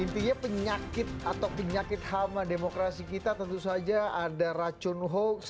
intinya penyakit atau penyakit hama demokrasi kita tentu saja ada racun hoax